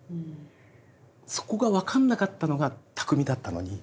そこが分かんなかったのが匠だったのに。